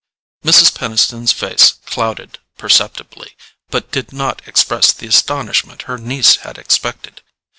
Mrs. Peniston's face clouded perceptibly, but did not express the astonishment her niece had expected.